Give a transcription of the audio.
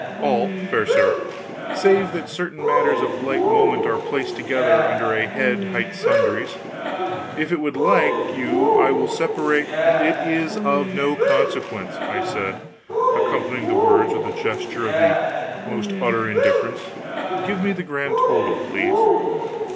"All, fair sir, save that certain matters of light moment are placed together under a head hight sundries. If it would like you, I will sepa " "It is of no consequence," I said, accompanying the words with a gesture of the most utter indifference; "give me the grand total, please."